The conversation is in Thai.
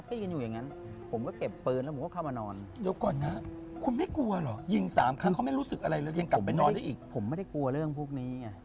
คุณมั่นใจว่าโดน